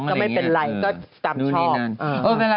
ก็ไม่เป็นไรก็ตามชอบ